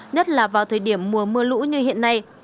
nhất là vào thời điểm mùa mưa lũ như hiện nay